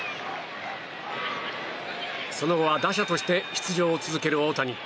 その後は、打者として出場を続ける大谷。